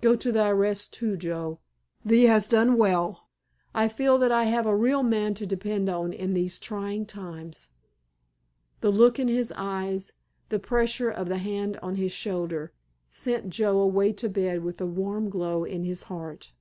Go to thy rest, too, Joe. Thee has done well. I feel that I have a real man to depend on in these trying times." The look in his eyes, the pressure of the hand on his shoulder, sent Joe away to bed with a warm glow in his heart.